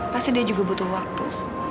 pasti dia juga butuh waktu